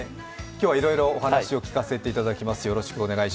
今日はいろいろお話を聞かせていただきます。